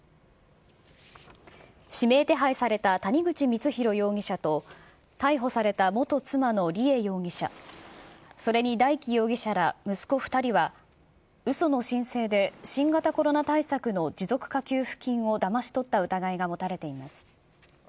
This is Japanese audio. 指名手配された谷口光弘容疑者と、逮捕された元妻の梨恵容疑者、それに大祈容疑者ら息子２人は、うその申請で新型コロナ対策の持続化給付金をだまし取った疑いが持たれています。